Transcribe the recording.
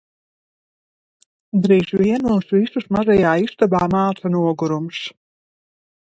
Drīz vien mūs visus mazajā istabā māca nogurums.